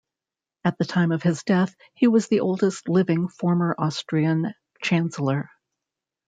At the time of his death, he was the oldest living former Austrian chancellor.